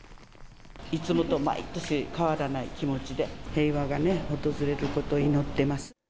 いつもと毎年変わらない気持ちで、平和が訪れることを祈ってます。